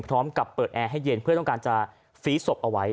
พร้อมกับเปิดแอร์ให้เย็นเพื่อต้องการจะฟีดศพเอาไว้